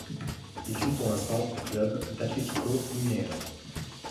Il joue pour l'instant au club d'Atlético Mineiro.